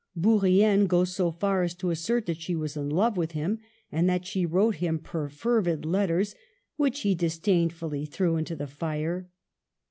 Bourrienne goes so far as to assert that she was in love with him, and that she wrote him perfervid letters, which he dis dainfully threw into the fire.